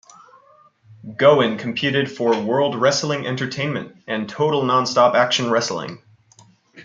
Gowen competed for World Wrestling Entertainment and Total Nonstop Action Wrestling.